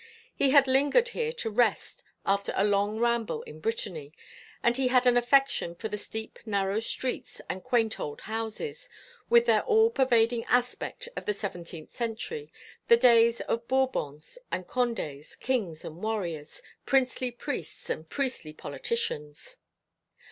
He had lingered here to rest after a long ramble in Brittany, and he had an affection for the steep narrow streets and quaint old houses, with their all pervading aspect of the seventeenth century, the days of Bourbons and Condés, kings and warriors, princely priests and priestly politicians.